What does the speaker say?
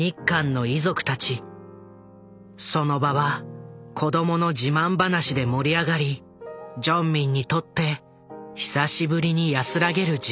その場は子どもの自慢話で盛り上がりジョンミンにとって久しぶりに安らげる時間となった。